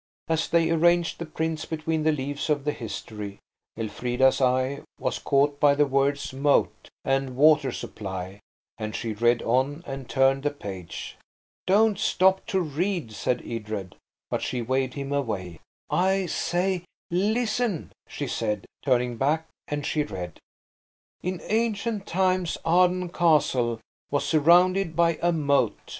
As they arranged the prints between the leaves of the History Elfrida's eye was caught by the words "moat" and "water supply," and she read on and turned the page. "Don't stop to read," said Edred, but she waved him away. "I say, listen," she said, turning back; and she read– "'In ancient times Arden Castle was surrounded by a moat.